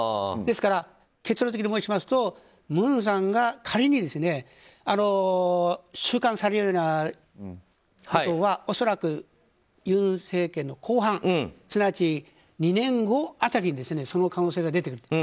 ですから、結論的に申しますと文さんが仮に収監されるようなことは恐らくユン政権の後半すなわち、２年後辺りにその可能性が出てくる。